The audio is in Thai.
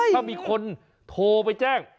ถ้ามีคนโทรไปแจ้ง